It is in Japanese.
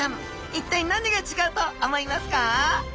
一体何が違うと思いますか？